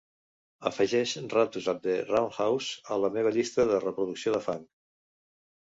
Afegeix Rattus at the Roundhouse a la meva llista de reproducció de funk.